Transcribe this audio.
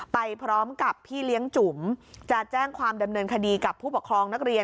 ไปพร้อมกับพี่เลี้ยงจุ๋มจะแจ้งความดำเนินคดีกับผู้ปกครองนักเรียน